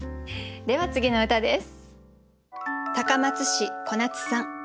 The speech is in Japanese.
では次の歌です。